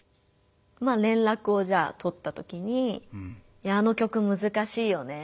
まあ連絡をじゃあ取ったときに「あの曲むずかしいよね。